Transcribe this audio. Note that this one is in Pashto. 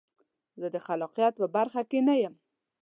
زه د خلاقیت په برخه کې نه یم.